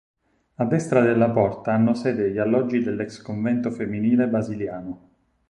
A destra della porta hanno sede gli alloggi dell'ex convento femminile basiliano.